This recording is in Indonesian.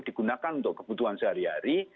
digunakan untuk kebutuhan sehari hari